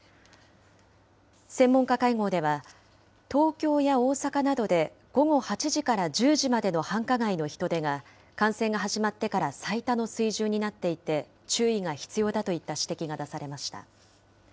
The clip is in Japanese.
専門家会合では、東京や大阪などで午後８時から１０時までの繁華街の人出が、感染が始まってから最多の水準になっていて、注意が必要だといった指摘が出されました。